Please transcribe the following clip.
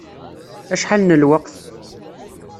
Acḥal n lweqt?